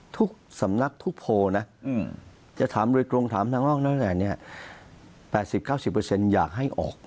ทุกสำนักทุกโพลนะจะถามโดยกรงถามทางนอกแล้วแหละ